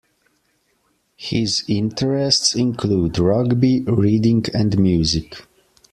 His interests include rugby, reading and music.